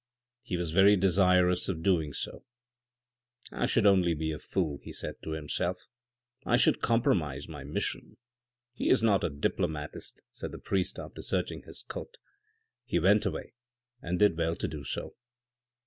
He was very desirous of doing so ... "I should only be a fool," he said to himself, " I should compromise my mission." " He is not a diplomatist," said the priest after searching his coat. He went away and did well to do so.